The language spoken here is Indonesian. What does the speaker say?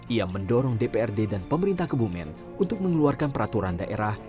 ia mendorong dprd dan pemerintah kebumen untuk mengeluarkan peraturan daerah